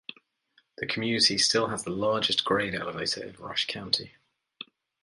The community still has the largest grain elevator in Rush County.